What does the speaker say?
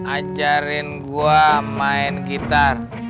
ajarin gua main gitar